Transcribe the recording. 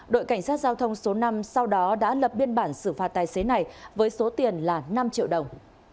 đội cảnh sát giao thông số năm sau đó đã lập biên bản xử phạt tài xế này với số tiền là năm triệu đồng